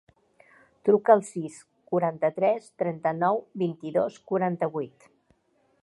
Truca al sis, quaranta-tres, trenta-nou, vint-i-dos, quaranta-vuit.